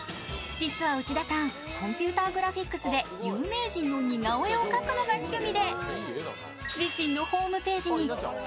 実は内田さん、コンピューターグラフィックスで有名人の似顔絵を描くのが趣味。